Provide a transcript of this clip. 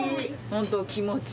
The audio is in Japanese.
本当気持ち。